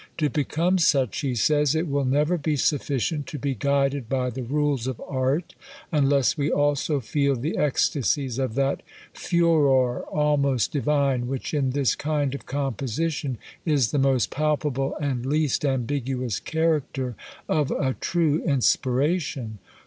To become such, he says, it will never be sufficient to be guided by the rules of art, unless we also feel the ecstasies of that furor, almost divine, which in this kind of composition is the most palpable and least ambiguous character of a true inspiration.